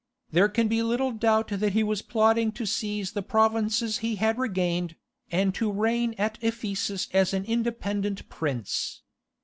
There can be little doubt that he was plotting to seize on the provinces he had regained, and to reign at Ephesus as an independent prince.